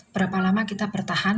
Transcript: berapa lama kita menggunakan